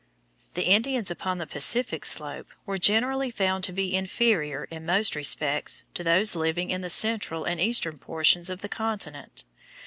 The Indians upon the Pacific slope were generally found to be inferior in most respects to those living in the central and eastern portions of the continent.